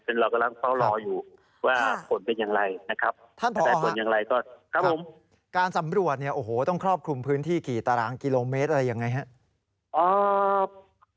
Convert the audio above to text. เพราะฉะนั้นเรากำลังเฝ้ารออยู่ว่าส่วนเป็นอย่างไรนะครับ